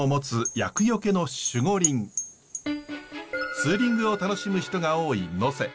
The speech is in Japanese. ツーリングを楽しむ人が多い能勢。